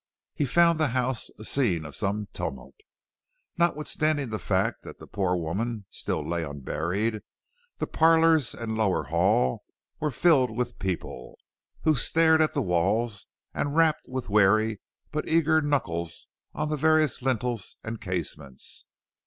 He found the house a scene of some tumult. Notwithstanding the fact that the poor woman still lay unburied, the parlors and lower hall were filled with people, who stared at the walls and rapped with wary but eager knuckles on the various lintels and casements.